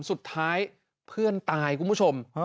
สุดท้ายเพื่อนตายคุณผู้ชม